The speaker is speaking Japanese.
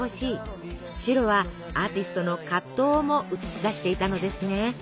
白はアーティストの葛藤をも映し出していたのですね。